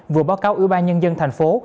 vừa báo cáo ủy ban nhân dân thành phố